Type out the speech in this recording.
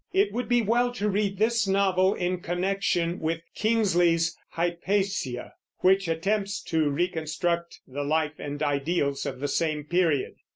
It would be well to read this novel in connection with Kingsley's Hypatia, which attempts to reconstruct the life and ideals of the same period.